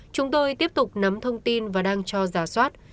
chúng tôi tiếp tục nắm thông tin và đang cho giả soát